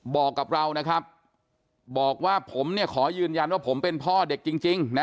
บอกกับเรานะครับบอกว่าผมเนี่ยขอยืนยันว่าผมเป็นพ่อเด็กจริงนะ